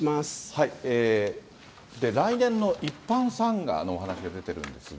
来年の一般参賀のお話が出てるんですが。